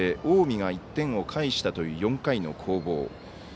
近江が１点を返したという４回の攻防。